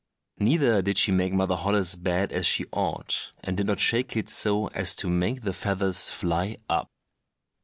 Neither did she make Mother Holle's bed as she ought, and did not shake it so as to make the feathers fly up.